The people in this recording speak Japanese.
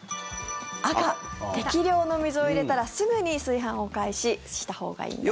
赤、適量の水を入れたらすぐに炊飯を開始したほうがいいそうです。